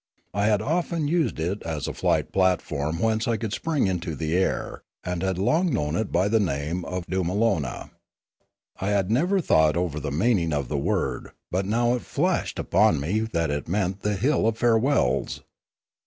I had often used it as a flight platform whence I could spring into the air, and had long known it by the name of Dooma lona. I had never thought over the meaning of the word, but now it flashed upon me that it meant the hill of farewells.